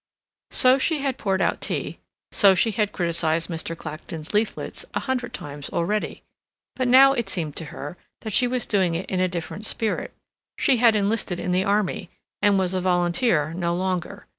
So she had poured out tea, so she had criticized Mr. Clacton's leaflets a hundred times already; but now it seemed to her that she was doing it in a different spirit; she had enlisted in the army, and was a volunteer no longer.